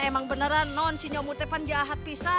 emang beneran si nyomud itu panjahat kita